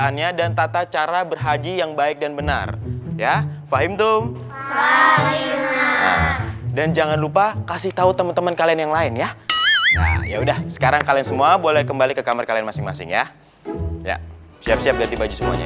bacaannya dan tata cara berhaji yang baik dan benar ya fahim tum dan jangan lupa kasih tahu teman teman kalian yang lain ya ya udah sekarang kalian semua boleh kembali ke kamar kalian masing masing ya siap siap ganti baju semuanya